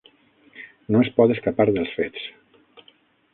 No es pot escapar dels fets.